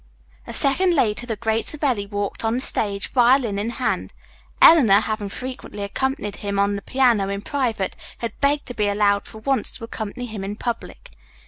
A second later the great Savelli walked on the stage, violin in hand. Eleanor, having frequently accompanied him on the piano in private, had begged to be allowed for once to accompany him in public.